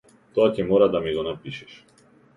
Тоа ќе мора да ми го напишеш.